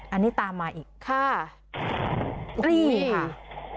อันนี้ตามมาอีกค่ะรีบค่ะ